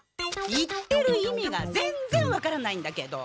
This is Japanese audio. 言ってる意味がぜんぜん分からないんだけど。